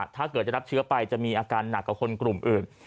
ถ้าเกิดจะรับเชื้อไปจะมีอาการหนักกว่าคนกลุ่มอื่น